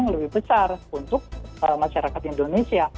yang lebih besar untuk masyarakat indonesia